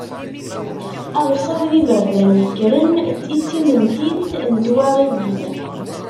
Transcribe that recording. Aɣṣab d yiberdan yekkren i d timentelt n twaɣiyin.